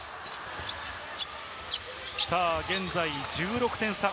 現在１６点差。